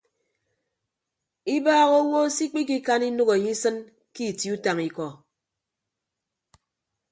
Ibaaha owo se ikpikikan inәk enye isịn ke itie utañ ikọ.